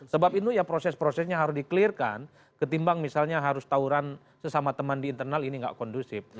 sebab itu ya proses prosesnya harus di clear kan ketimbang misalnya harus tauran sesama teman di internal ini nggak kondusif